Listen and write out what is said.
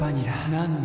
なのに．．．